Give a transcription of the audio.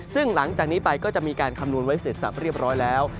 ซึ่งหลังจากนี้ไปก็จะมีการคำนวณไว้เสร็จสับเรียบร้อยแล้ว